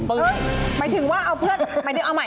หมายถึงว่าเอาเพื่อนเอาใหม่